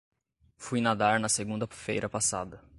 Fui nadar na segunda-feira passada.